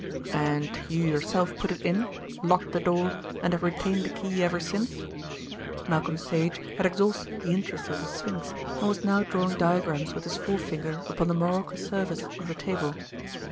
"And you yourself put it in, locked the door, and have retained the key ever since?" Malcolm Sage had exhausted the interest of the sphinx and was now drawing diagrams with his forefinger upon the morocco surface of the table.